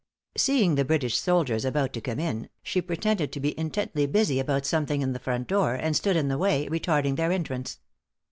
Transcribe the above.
Seeing the British soldiers about to come in, she pretended to be intently busy about something in the front door, and stood in the way, retarding their entrance.